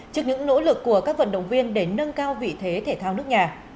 trước những nỗ lực của các vận động viên để nâng cao vị thế thể thao nước nhà